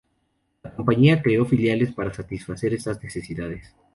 La compañía creó filiales para satisfacer estas necesidades.